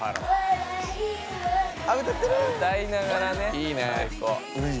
いいね。